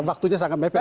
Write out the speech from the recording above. waktunya sangat mepet